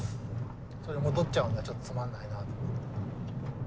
それ戻っちゃうんじゃちょっとつまんないなと思って。